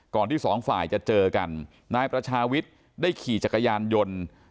ที่สองฝ่ายจะเจอกันนายประชาวิทย์ได้ขี่จักรยานยนต์